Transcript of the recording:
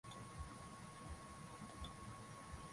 kutokana na historia ya Kanisa kuwa na mchanganyiko wa mazuri na